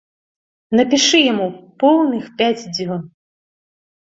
Напішы яму поўных пяць дзён!